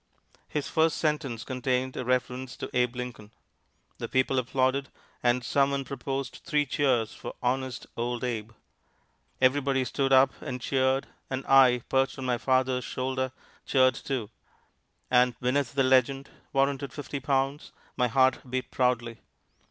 His first sentence contained a reference to Abe Lincoln. The people applauded, and some one proposed three cheers for "Honest Old Abe." Everybody stood up and cheered, and I, perched on my father's shoulder, cheered too. And beneath the legend, "Warranted Fifty Pounds," my heart beat proudly.